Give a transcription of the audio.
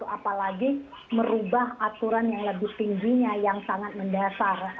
apalagi merubah aturan yang lebih tingginya yang sangat mendasar